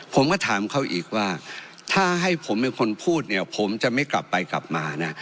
ผมก็ถามเขาอีกว่าถ้าให้ผมเป็นคนพูดเนี่ยผมจะไม่กลับไปกลับมานะ